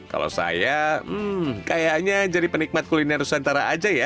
kalau saya kayaknya jadi penikmat kuliner nusantara aja ya